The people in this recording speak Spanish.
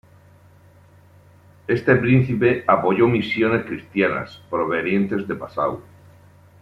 Este príncipe apoyó misiones cristianas provenientes de Passau.